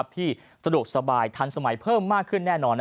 ที่สะดวกสบายทันสมัยเพิ่มมากขึ้นแน่นอน